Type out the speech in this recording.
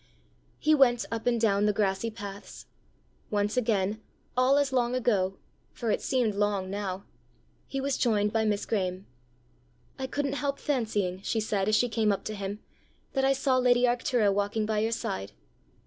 He went up and down the grassy paths. Once again, all as long ago for it seemed long now he was joined by Miss Graeme. "I couldn't help fancying," she said as she came up to him, "that I saw lady Arctura walking by your side.